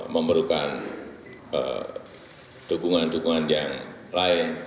memerlukan dukungan dukungan yang lain